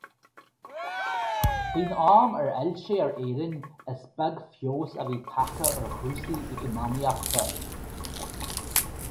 Faoin am ar fhill sé ar Éirinn, is beag feabhas a bhí tagtha ar chúrsaí eacnamaíochta.